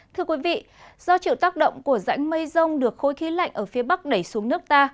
thưa quý vị do chịu tác động của rãnh mây rông được khối khí lạnh ở phía bắc đẩy xuống nước ta